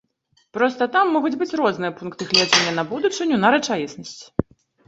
Проста там могуць быць розныя пункты гледжання на будучыню, на рэчаіснасць.